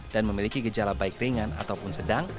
dan memiliki gejala baik ringan ataupun sedang